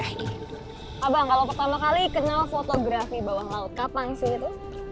abang kalau pertama kali kenal fotografi bawah laut kapan sih itu